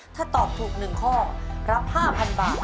ถ้าตอบถูก๑ข้อรับ๕๐๐๐บาท